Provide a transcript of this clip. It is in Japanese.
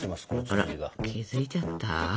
あら気付いちゃった？